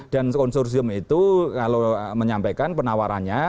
dan konsursium itu kalau menyampaikan penawarannya